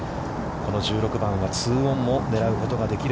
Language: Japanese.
この１６番はツーオンも狙うことができる